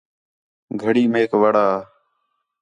گھڑی میک وڑا